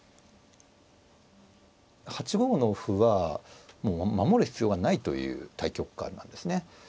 ８五の歩はもう守る必要がないという大局観なんですね。